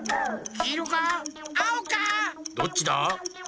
どっちだ？